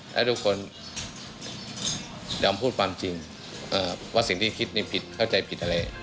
และทุกคนยอมพูดความจริงว่าสิ่งที่คิดนี่ผิดเข้าใจผิดอะไร